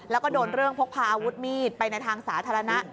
แล้วก็โดนเรื่องพกพาอาวุธมีดไปในทางสาธารณะ